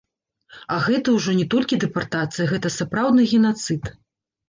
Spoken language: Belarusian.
А гэта ўжо не толькі дэпартацыя, гэта сапраўдны генацыд.